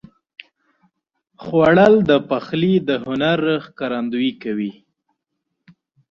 خوړل د پخلي د هنر ښکارندویي کوي